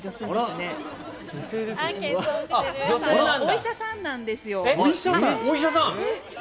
お医者さんなんですよ。